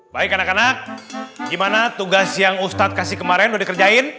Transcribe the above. baik anak anak gimana tugas yang ustadz kasih kemarin udah dikerjain